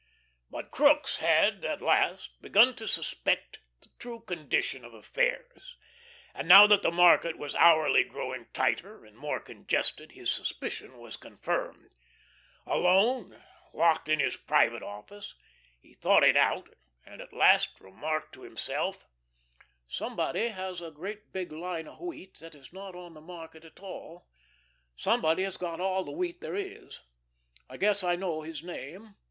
But Crookes had, at last, begun to suspect the true condition of affairs, and now that the market was hourly growing tighter and more congested, his suspicion was confirmed. Alone, locked in his private office, he thought it out, and at last remarked to himself: "Somebody has a great big line of wheat that is not on the market at all. Somebody has got all the wheat there is. I guess I know his name.